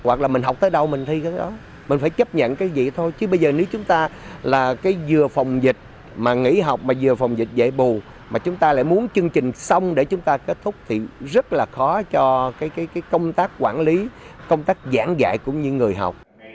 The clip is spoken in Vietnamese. hoặc là mình học tới đâu mình thi cái đó mình phải chấp nhận cái gì thôi chứ bây giờ nếu chúng ta là cái vừa phòng dịch mà nghỉ học mà vừa phòng dịch dạy bù mà chúng ta lại muốn chương trình xong để chúng ta kết thúc thì rất là khó cho cái công tác quản lý công tác giảng dạy cũng như người học